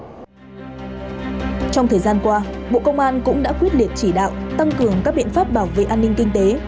trong thời gian qua bộ công an cũng đã quyết liệt chỉ đạo tăng cường các biện pháp bảo vệ an ninh kinh tế